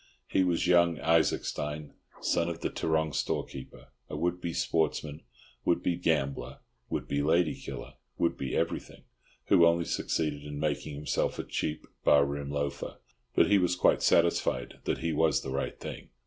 He was young Isaacstein, son of the Tarrong storekeeper, a would be sportsman, would be gambler, would be lady killer, would be everything, who only succeeded in making himself a cheap bar room loafer; but he was quite satisfied that he was the right thing.